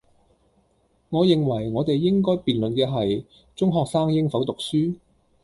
我認為，我哋應該辯論嘅係，中學生應否讀書?